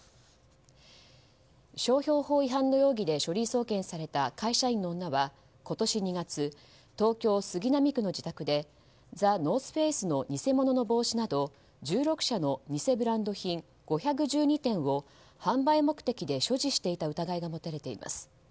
商標法違反の容疑で書類送検された会社員の女は今年２月、東京・杉並区の自宅でＴＨＥＮＯＲＴＨＦＡＣＥの偽物の帽子など１６社の偽ブランド品５１２点を販売目的で所持していた疑いが持たれています。